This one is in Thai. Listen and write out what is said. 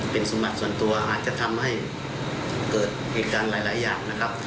เป็นสมบัติส่วนตัวอาจจะทำให้เกิดเหตุการณ์หลายอย่างนะครับ